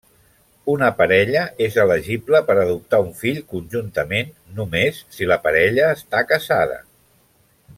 Una parella és elegible per adoptar un fill conjuntament només si la parella està casada.